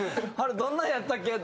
どんなんやったっけって。